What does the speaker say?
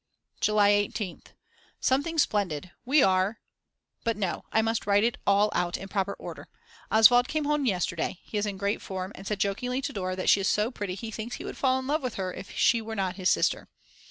July 18th. Something splendid, we are But no, I must write it all out in proper order. Oswald came home yesterday, he is in great form and said jokingly to Dora that she is so pretty he thinks he would fall in love with her if she were not his sister.